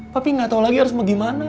papih gak tahu lagi harus gimana